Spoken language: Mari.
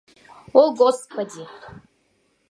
— О господи!